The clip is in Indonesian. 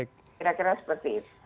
kira kira seperti itu